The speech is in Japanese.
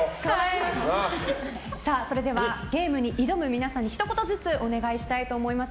それではゲームに挑む皆さんにひと言ずつお願いしたいと思います。